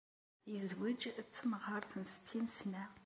Yezweǧ d temɣart n settin sna.